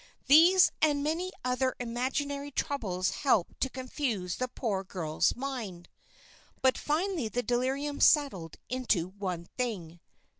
These and many other imaginary troubles helped to confuse the poor girl's mind. But finally the delirium settled into one thing.